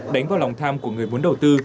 đánh vào lòng tham của người muốn đầu tư